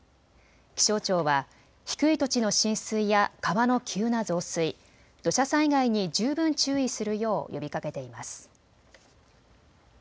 気象庁は低い土地の浸水や川の急な増水、土砂災害に十分注意するよう呼びかけています。